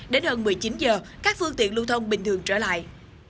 đến hơn một mươi chín giờ các phương tiện lưu thông bình thường trở lại